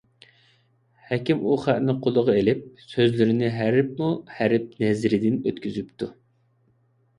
ھەكىم ئۇ خەتنى قولىغا ئېلىپ، سۆزلىرىنى ھەرپمۇ ھەرپ نەزىرىدىن ئۆتكۈزۈپتۇ.